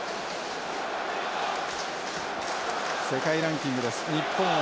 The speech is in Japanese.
世界ランキングです。